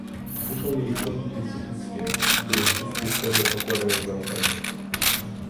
Muszą jej chronić instytucje, w których wszystkie strony pokładają zaufanie